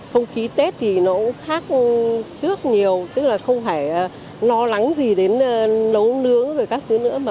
không khí tết thì nó khác trước nhiều tức là không phải lo lắng gì đến nấu nướng rồi các thứ nữa